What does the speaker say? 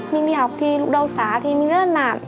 mình đi học thì lũ đau xá thì mình rất là nặn